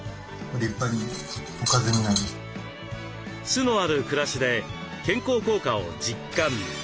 酢のある暮らしで健康効果を実感。